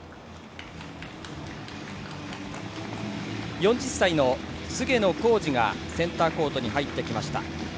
４０歳の菅野浩二がセンターコートに入ってきました。